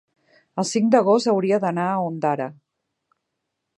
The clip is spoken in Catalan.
El cinc d'agost hauria d'anar a Ondara.